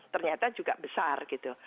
ternyata juga besar gitu